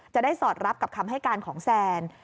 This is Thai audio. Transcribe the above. สอดรับกับคำให้การของแซน